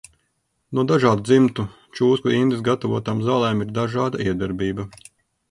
No dažādu dzimtu čūsku indes gatavotām zālēm ir dažāda iedarbība.